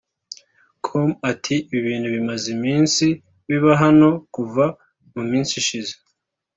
com ati “ Ibi bintu bimaze iminsi biba hano kuva mu minsi ishize